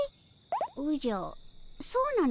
おじゃそうなのかの。